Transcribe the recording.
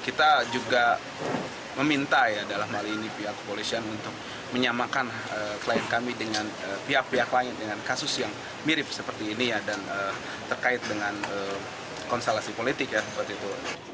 kita juga meminta ya dalam hal ini pihak kepolisian untuk menyamakan klien kami dengan pihak pihak lain dengan kasus yang mirip seperti ini ya dan terkait dengan konstelasi politik ya seperti itu